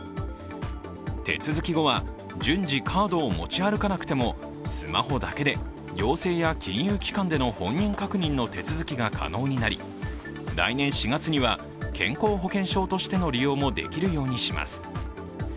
手続き後は、順次カードを持ち歩かなくてもスマホだけで行政や金融機関での本人確認の手続きが可能になり、来年４月には健康保険証としての利用もできるようにします。